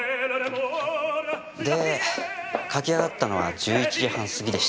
で書き上がったのは１１時半過ぎでした。